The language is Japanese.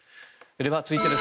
では続いてです。